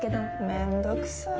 めんどくさい。